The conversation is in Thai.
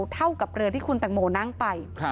เท่ากับเรือที่คุณแตงโมนั่งไป